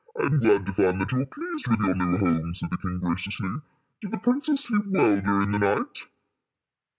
"I am glad to find that you are pleased with your new home," said the king, graciously. "Did the princess sleep well during the night?"